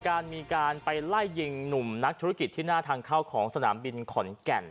มีการไปไล่ยิงหนุ่มนักธุรกิจที่หน้าทางเข้าของสนามบินขอนแก่น